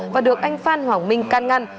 và được anh phan hoàng minh can ngăn